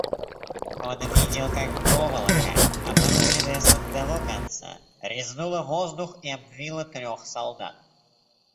Он видел, как проволока, обрубленная с одного конца, резнула воздух и обвила трех солдат.